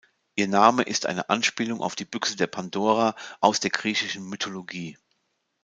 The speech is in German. Ihr Name ist eine Anspielung auf die Büchse der Pandora aus der griechischen Mythologie.